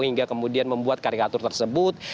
hingga kemudian membuat karikatur tersebut